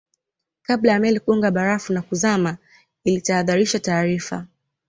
kabla ya meli kugonga barafu na kuzama ilitahadharisha taarifa